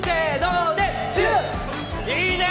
いいね！